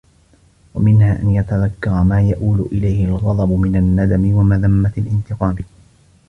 وَمِنْهَا أَنْ يَتَذَكَّرَ مَا يَئُولُ إلَيْهِ الْغَضَبُ مِنْ النَّدَمِ وَمَذَمَّةِ الِانْتِقَامِ